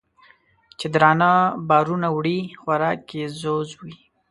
چې درانه بارونه وړي خوراک یې ځوځ وي